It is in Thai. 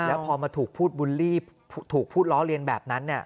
แล้วพอมาถูกพูดบูลลี่ถูกพูดล้อเลียนแบบนั้น